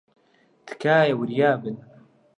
تکایە، وریا بن.